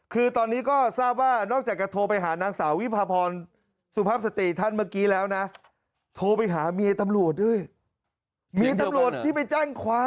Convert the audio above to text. คือตอนนี้ก็ทราบว่านอกจากจะโทรไปหานางสา